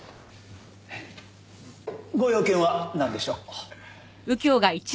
ご用件はなんでしょう？